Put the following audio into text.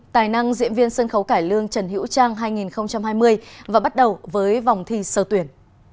tài năng diễn viên sân khấu cải lương trần hữu trang hai nghìn hai mươi và bắt đầu với vòng thi sơ tuyển